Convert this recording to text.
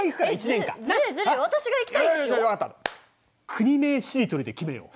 国名しりとりで決めよう。